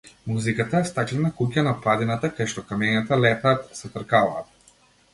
Музиката е стаклена куќа на падината кај што камењата летаат, се тркалаат.